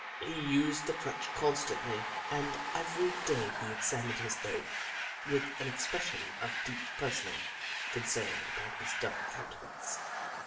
He used the crutch constantly, and every day he examined his leg with an expression of deep personal concern upon his dark counte nance.